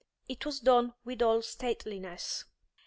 It was done with all stateliness.